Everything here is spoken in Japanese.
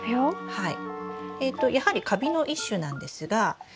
はい。